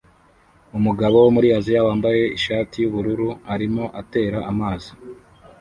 Umugabo wo muri Aziya wambaye ishati yubururu arimo atera amazi